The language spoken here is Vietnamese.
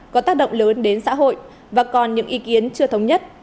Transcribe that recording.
có tác động lớn đến xã hội và còn những ý kiến chưa thống nhất